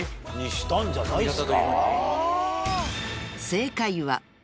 したんじゃないっすか？